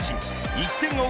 １点を追う